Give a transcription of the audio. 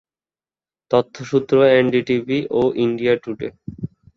তথ্যসূত্র NDTV ও India today